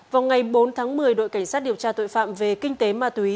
vào ngày bốn tháng một mươi đội cảnh sát điều tra tội phạm về kinh tế ma túy